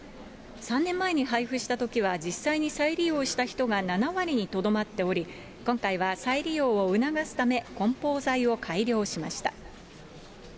３年前に配布したときは、実際に再利用した人が７割にとどまっており、今回は再利用を促すため、梱包材を改良しました。